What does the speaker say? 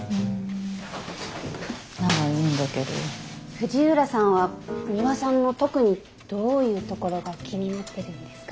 藤浦さんはミワさんの特にどういうところが気になってるんですか？